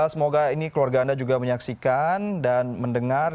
semoga ini keluarga anda juga menyaksikan dan mendengar